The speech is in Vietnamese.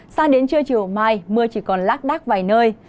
sang đến trưa chiều mai mưa chỉ còn lác đác vài nơi